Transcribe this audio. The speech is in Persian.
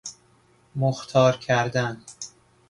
مختار کردن